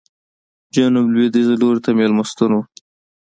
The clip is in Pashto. جنوب لوېدیځ لوري ته مېلمستون و.